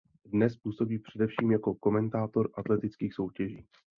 Dnes působí především jako komentátor atletických soutěží.